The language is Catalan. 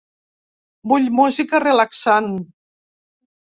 Vull música relaxant.